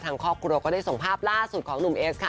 ทางครอบครัวก็ได้ส่งภาพล่าสุดของหนุ่มเอสค่ะ